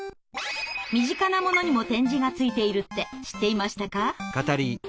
身近なものにも点字がついているって知っていましたか？